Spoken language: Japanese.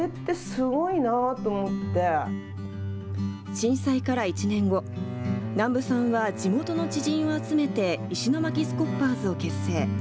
震災から１年後、南部さんは地元の知人を集めて石巻スコッパーズを結成。